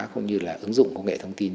cũng như là ứng dụng công nghệ thông tin